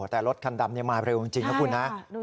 แต่รถคันดำนี้มาเร็วของจริงน้ะคุณ